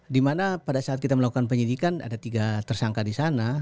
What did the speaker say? dimana pada saat kita melakukan penyidikan ada tiga tersangka di sana